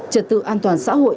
trật tự an toàn xã hội